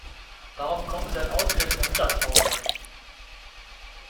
Warum kommen Sie denn auch ausgerechnet in der Mittagspause?